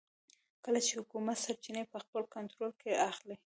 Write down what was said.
کله چې حکومت سرچینې په خپل کنټرول کې اخلي.